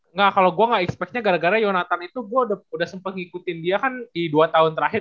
enggak kalau gue gak expectnya gara gara yonatan itu gue udah sempat ngikutin dia kan di dua tahun terakhir